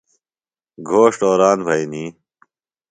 گھوݜٹ اوران بھئنی۔